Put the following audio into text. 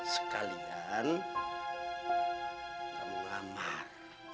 sekalian kamu ngamar